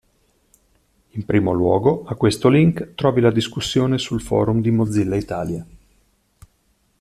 In primo luogo, a questo link trovi la discussione sul forum di Mozilla Italia.